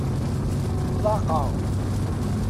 Ḍaqeɣ!